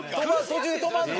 途中で止まるの？